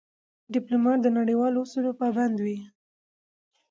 ډيپلومات د نړیوالو اصولو پابند وي.